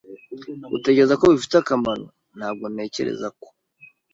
Utekereza ko bifite akamaro? Ntabwo ntekereza ko.